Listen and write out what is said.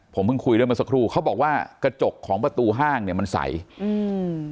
ผมเพิ่งคุยด้วยเมื่อสักครู่เขาบอกว่ากระจกของประตูห้างเนี้ยมันใสอืม